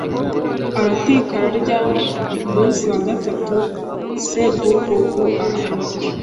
Arateka ararya Ku munsi wa gatatu Sebwugugu arahunga